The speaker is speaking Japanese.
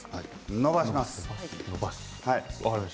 伸ばします。